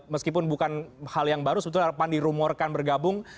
meskipun bukan hal yang baru sebetulnya pan dirumorkan bergabung